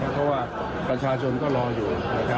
เพราะว่าประชาชนก็รออยู่